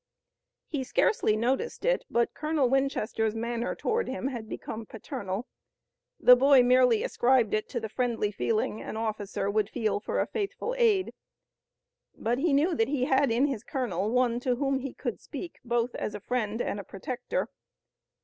He scarcely noticed it, but Colonel Winchester's manner toward him had become paternal. The boy merely ascribed it to the friendly feeling an officer would feel for a faithful aide, but he knew that he had in his colonel one to whom he could speak both as a friend and a protector.